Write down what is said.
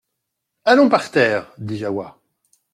Allons par terre ! dit Jahoua.